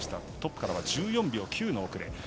トップからは１４秒９の遅れ。